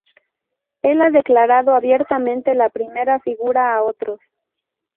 Él ha declarado abiertamente la primera figura a otros.